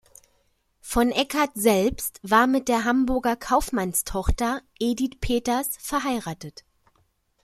Von Eckhardt selbst war mit der Hamburger Kaufmannstochter Edith Peters verheiratet.